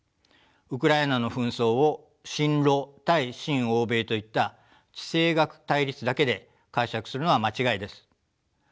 ウクライナの紛争を親ロ対親欧米といった地政学対立だけで解釈するのは間違いです。